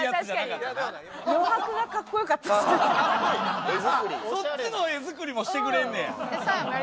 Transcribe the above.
そっちの画作りもしてくれんねや。